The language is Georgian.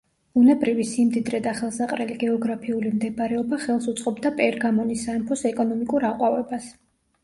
ბუნებრივი სიმდიდრე და ხელსაყრელი გეოგრაფიული მდებარეობა ხელს უწყობდა პერგამონის სამეფოს ეკონომიკურ აყვავებას.